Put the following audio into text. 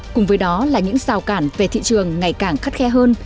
cùng với đó là những rào cản về thị trường ngày càng khắt khe hơn